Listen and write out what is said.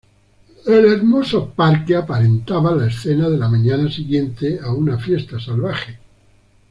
El hermoso parque aparentaba la escena de la mañana siguiente a una fiesta salvaje.